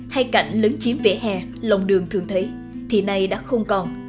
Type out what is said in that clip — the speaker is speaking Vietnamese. hay cảnh lớn chiếm vỉa hè lồng đường thường thấy thì nay đã không còn